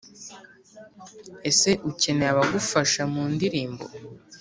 ese ukeneye abagufasha mu ndirimbo